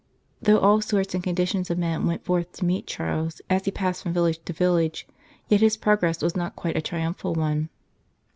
Though all sorts and conditions of men went forth to meet Charles as he passed from village to village, yet his progress was not quite a triumphal one.